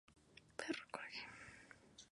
Es el personaje principal.